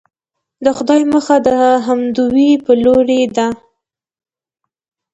د خدای مخه د همدوی په لورې ده.